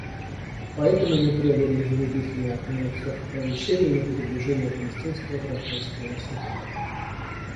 Поэтому мы требуем незамедлительной отмены всех ограничений на передвижение палестинского гражданского населения.